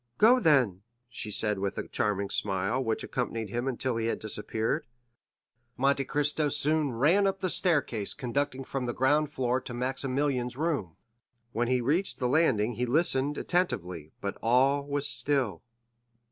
"Go, then," she said with a charming smile, which accompanied him until he had disappeared. Monte Cristo soon ran up the staircase conducting from the ground floor to Maximilian's room; when he reached the landing he listened attentively, but all was still.